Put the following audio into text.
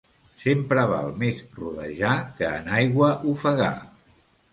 Sempre val més rodejar que en aigua ofegar.